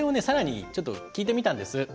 更にちょっと聞いてみたんです。